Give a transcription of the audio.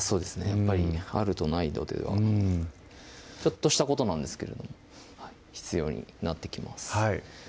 やっぱりあるとないとではちょっとしたことなんですけれど必要になってきます